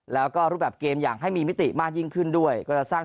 แล้วก็รูปแบบเกมอย่างให้มีมิติมากยิ่งขึ้นด้วยก็จะสร้าง